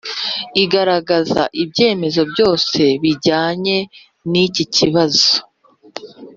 igaragaza ibyemezo byose bijyanye n iki kibazo